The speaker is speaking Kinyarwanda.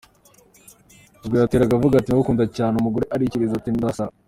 Ubwo yateraga avuga ati «: Ndagukunda cyane », umugore akikiriza ati :» Nzasara !